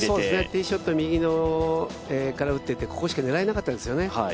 ティーショット右から打って、ここしか狙えなかったですよね。